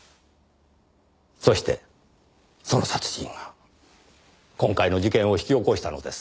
そしてその殺人が今回の事件を引き起こしたのです。